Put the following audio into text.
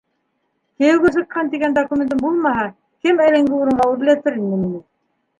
- Кейәүгә сыҡҡан тигән документым булмаһа, кем әлеңге урынға үрләтер ине мине?